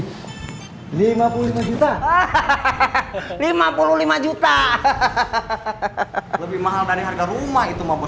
hai lima puluh lima juta hahaha lima puluh lima juta hahaha lebih mahal dari harga rumah itu mau